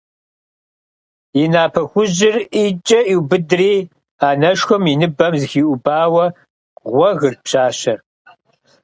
И напэ хужьыр ӀитӀкӀэ иубыдри, анэшхуэм и ныбэм зыхиӀубауэ гъуэгырт пщащэр.